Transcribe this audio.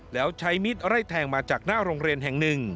แล้วใช้มิดไล่แทงมาจากหน้าโรงเรียนแห่งหนึ่ง